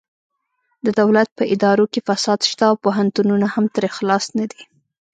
د دولت په ادارو کې فساد شته او پوهنتونونه هم ترې خلاص نه دي